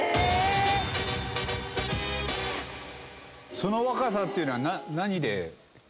その若さっていうのは何で検証してる？